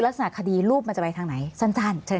ลักษณะคดีรูปมันจะไปทางไหนสั้นเชิญ